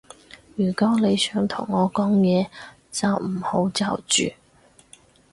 如果你想同我講嘢，就唔好嚼住